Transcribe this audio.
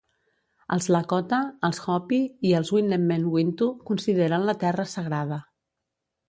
Els lakota, els hopi i els winnemem wintu consideren la terra sagrada.